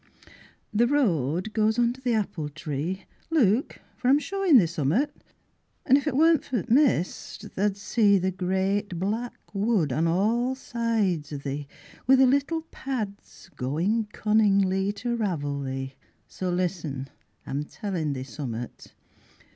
The road goes under the apple tree; Look, for I'm showin' thee summat. An' if it worn't for the mist, tha'd see The great black wood on all sides o' thee Wi' the little pads going cunningly To ravel thee. So listen, I'm tellin' thee summat.